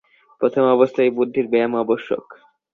প্রথম অবস্থায় এই বুদ্ধির ব্যায়াম আবশ্যক।